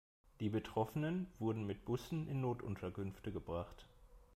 Die Betroffenen wurden mit Bussen in Notunterkünfte gebracht.